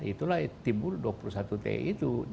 itulah timbul dua puluh satu te itu